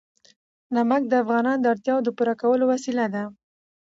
نمک د افغانانو د اړتیاوو د پوره کولو وسیله ده.